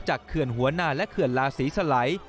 เขื่อนหัวนาและเขื่อนลาศรีสลัย